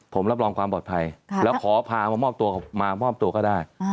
ผมรับรองความปลอดภัยแล้วขอพามามอบตัวมามอบตัวก็ได้